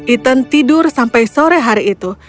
ethan tidur sampai sore hari itu